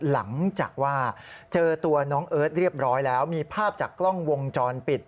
หลังจากว่าเจอตัวน้องเอิร์ทเรียบร้อยแล้วมีภาพจากกล้องวงจรปิด